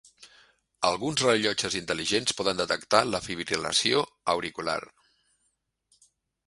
Alguns rellotges intel·ligents poden detectar la fibril·lació auricular.